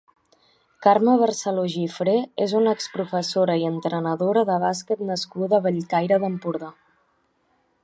Carme Barceló Gifré és una exprofessora i entrenadora de bàsquet nascuda a Bellcaire d'Empordà.